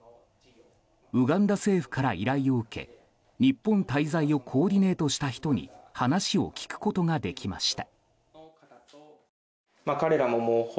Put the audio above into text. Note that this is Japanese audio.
ウガンダ政府から依頼を受け日本滞在をコーディネートした人に話を聞くことができました。